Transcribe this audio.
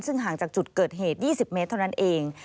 ซึ่งห่างจากจุดเกิดเหตุ๒๐เมตรเท่านั้นเอง